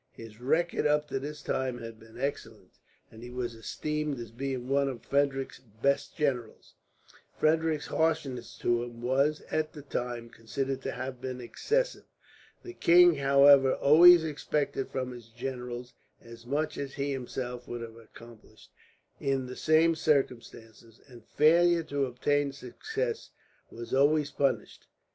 His record up to this time had been excellent, and he was esteemed as being one of Frederick's best generals. Frederick's harshness to him was, at the time, considered to have been excessive. The king, however, always expected from his generals as much as he himself would have accomplished, in the same circumstances, and failure to obtain success was always punished.